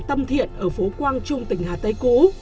tâm thiện ở phố quang trung tỉnh hà tây cũ